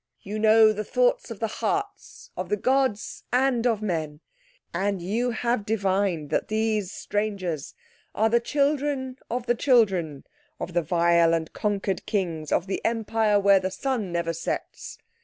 You know the thoughts of the hearts of the gods and of men, and you have divined that these strangers are the children of the children of the vile and conquered Kings of the Empire where the sun never sets.